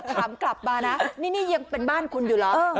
ถามกลับมานะนี่ยังเป็นบ้านคุณอยู่เหรอ